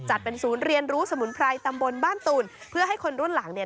เป็นศูนย์เรียนรู้สมุนไพรตำบลบ้านตุ่นเพื่อให้คนรุ่นหลังเนี่ย